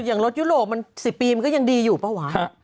อย่างรถยุโรปมัน๑๐ปีก็ยังดีอยู่ป่ะว้า